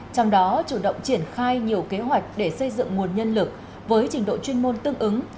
trong đó chủ động triển khai nhiều kế hoạch để xây dựng nguồn nhân lực với trình độ chuyên môn tương ứng